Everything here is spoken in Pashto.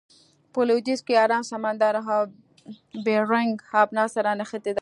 په لویدیځ کې ارام سمندر او بیرنګ آبنا سره نښتې ده.